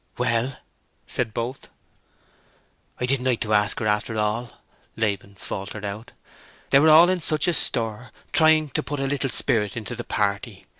"Well?" said both. "I didn't like to ask for her after all," Laban faltered out. "They were all in such a stir, trying to put a little spirit into the party.